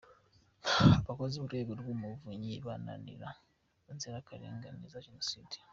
Abakozi b’Urwego rw’Umuvunyi bunanira inzirakarengane za Jenoside .